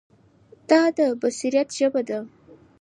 دا د بصیرت ژبه ده.